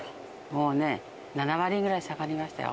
もうね、７割ぐらい下がりましたよ。